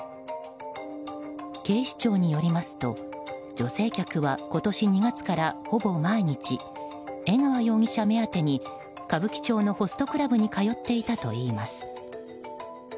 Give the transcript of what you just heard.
警視庁によりますと女性客は今年２月からほぼ毎日江川容疑者目当てに歌舞伎町のホストクラブに通っていたといいます。